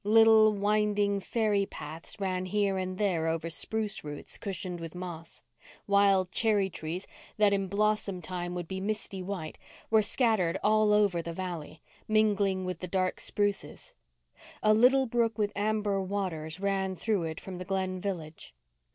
Little, winding, fairy paths ran here and there over spruce roots cushioned with moss. Wild cherry trees, that in blossom time would be misty white, were scattered all over the valley, mingling with the dark spruces. A little brook with amber waters ran through it from the Glen village.